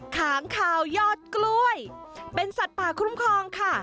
ขางคาวยอดกล้วยเป็นสัตว์ป่าคุ้มครองค่ะ